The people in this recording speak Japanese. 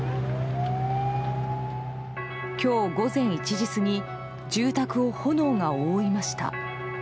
今日午前１時過ぎ住宅を炎が覆いました。